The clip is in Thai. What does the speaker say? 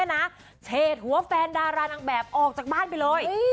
เฉดหัวแฟนดารานางแบบออกจากบ้านไปเลย